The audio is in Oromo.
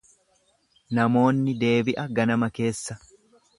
Namoonni deebi'a ganama keessa.